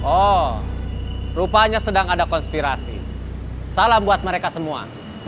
oh rupanya sedang ada konspirasi salam buat mereka semua